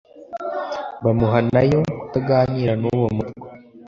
bamuhana yo kutaganira n'uwo mutwa.